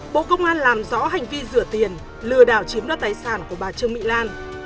bộ công an làm rõ hành vi rửa tiền lừa đảo chiếm đoạt tài sản của bà trương mỹ lan